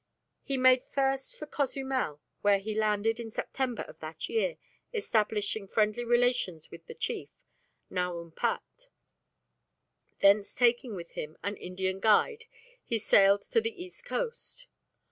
He made first for Cozumel, where he landed in September of that year, establishing friendly relations with the chief, Naum Pat. Thence, taking with him an Indian guide, he sailed to the east coast.